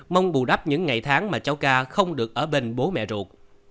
mong bù đắp những ngày tháng mà cháu ca không được ở bên bố mẹ ruột